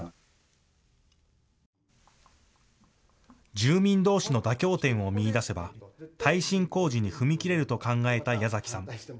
住民どうしの妥協点を見いだせば耐震工事に踏み切れると考えた矢崎さん。